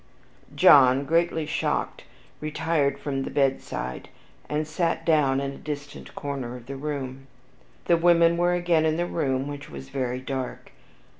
John, greatly shocked, retired from the bedside, and sat down in a distant corner of the room. The women were again in the room, which was very dark.